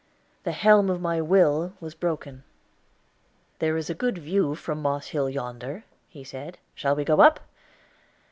The helm of my will was broken. "There is a good view from Moss Hill yonder," he said. "Shall we go up?"